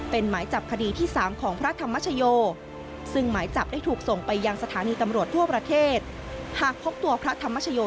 เป็นหมายจับคดีที่๓ของพระธรรมชโย